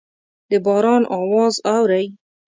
د باران اواز اورئ